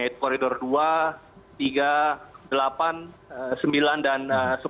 yaitu koridor dua tiga delapan sembilan dan sepuluh